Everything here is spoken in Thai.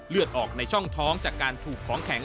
เลือดออกในช่องท้องจากการถูกของแข็ง